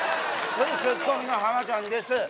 ツッコミの浜ちゃんです